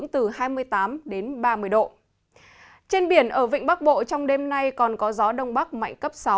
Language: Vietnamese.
trên biển ở vịnh bắc bộ trong đêm nay còn có gió đông bắc mạnh cấp sáu